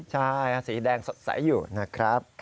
ใช่สีแดงสดใสอยู่นะครับ